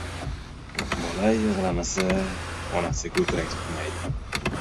• Bola yig‘lamasa, onasi ko‘krak tutmaydi.